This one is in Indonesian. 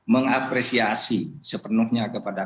mengapresiasi sepenuhnya kepada